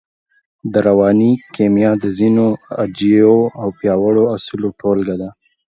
رواني کيميا د ځينو عجييو او پياوړو اصولو ټولګه ده.